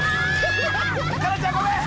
可奈ちゃんごめん！